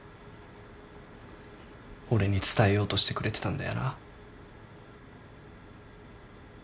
俺に伝えようとしてくれてたんだよな。